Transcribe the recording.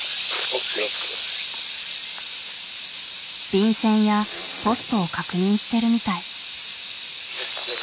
便箋やポストを確認してるみたい。